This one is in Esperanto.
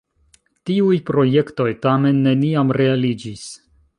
Tiuj projektoj tamen neniam realiĝis.